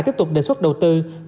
tiếp tục đề xuất đầu tư